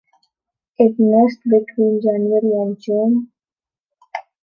It nests between January and June.